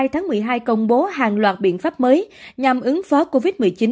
tháng một mươi hai công bố hàng loạt biện pháp mới nhằm ứng phó covid một mươi chín